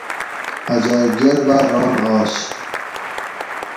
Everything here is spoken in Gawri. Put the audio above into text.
عجایٔب گھر باۤر ران آش